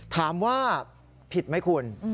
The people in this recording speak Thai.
ถามว่าผิดไหมคุณ